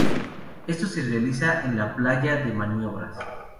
Esto se realiza en la playa de maniobras.